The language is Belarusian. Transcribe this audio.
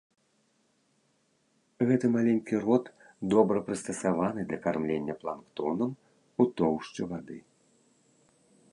Гэты маленькі рот добра прыстасаваны для кармлення планктонам ў тоўшчы вады.